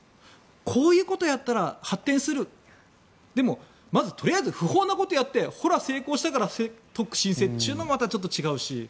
こういうことをやったら発展するでも、まずとりあえず不法なことをやってほら、成功したから特区を申請というのもまた違うし。